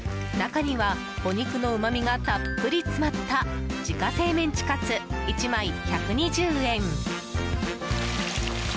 中には、お肉のうまみがたっぷり詰まった自家製メンチカツ、１枚１２０円。